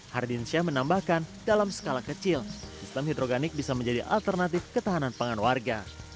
hardin syah menambahkan dalam skala kecil sistem hidroganik bisa menjadi alternatif ketahanan pangan warga